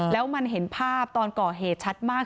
แล้วมันเห็นภาพตอนก่อเหตุชัดมาก